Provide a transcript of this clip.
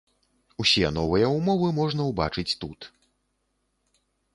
Усе новыя ўмовы можна ўбачыць тут.